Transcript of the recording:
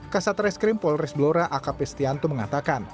kasat reskrim polres blora akp stianto mengatakan